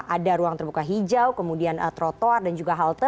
ada ruang terbuka hijau kemudian trotoar dan juga halte